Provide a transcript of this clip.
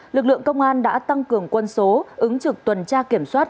lực lượng công an đã tăng cường quân số ứng trực tuần tra kiểm soát